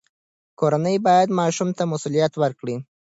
کورنۍ باید ماشوم ته مسوولیت ورکړي.